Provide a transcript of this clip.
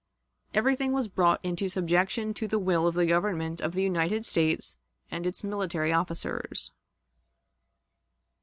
Everything was brought into subjection to the will of the Government of the United States and its military officers.